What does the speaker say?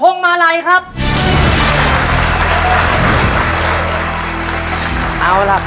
เอาล่ะพ่อจ๋ายังไม่รู้จักพ่อนิทเลือกตอบตัวเลือกที่สี่อาทิวราคงมาลัยครับ